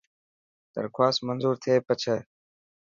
درخواست منظور ٿي پڇي.